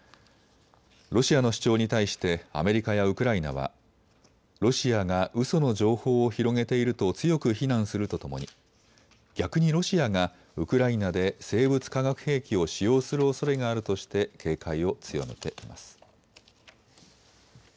ロシアの主張に対してアメリカやウクライナはロシアがうその情報を広げていると強く非難するとともに逆にロシアがウクライナで生物化学兵器を使用するおそれがあるとして警戒を強めています。